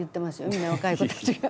みんな若い子たちが。